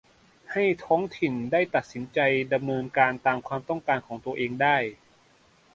ให้ท้องถิ่นได้ตัดสินใจดำเนินการตามความต้องการของตัวเองได้